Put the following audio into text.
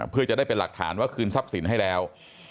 เพื่อจะได้เป็นหลักฐานว่าคืนทรัพย์สินให้แล้ว